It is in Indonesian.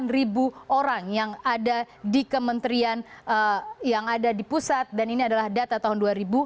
delapan ratus sembilan puluh satu delapan ribu orang yang ada di kementerian yang ada di pusat dan ini adalah data tahun dua ribu